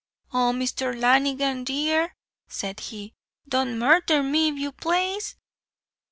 "Oh, Mr. Lanigan dear!" said he, "don't murther me, if you plaze."